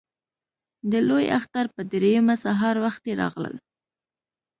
د لوی اختر په درېیمه سهار وختي راغلل.